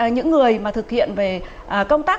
những người mà thực hiện về công tác